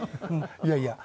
いやいや。